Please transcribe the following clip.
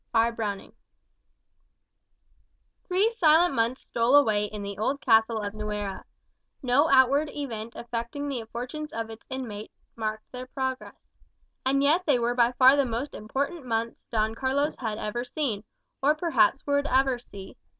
R. Browning Three silent months stole away in the old castle of Nuera. No outward event affecting the fortunes of its inmates marked their progress. And yet they were by far the most important months Don Carlos had ever seen, or perhaps would ever see.